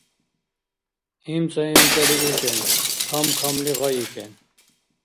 ИмцӀа-имцӀали учӀен, кам-камли гъайикӀен.